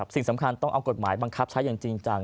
สิ่งสำคัญต้องเอากฎหมายบังคับใช้อย่างจริงจัง